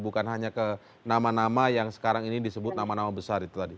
bukan hanya ke nama nama yang sekarang ini disebut nama nama besar itu tadi